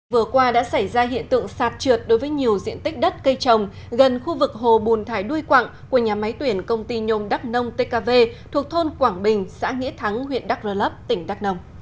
vừa qua đã xảy ra hiện tượng sạt trượt đối với nhiều diện tích đất cây trồng gần khu vực hồ bùn thải đuôi quặng của nhà máy tuyển công ty nhôm đắk nông tkv thuộc thôn quảng bình xã nghĩa thắng huyện đắk rơ lấp tỉnh đắk nông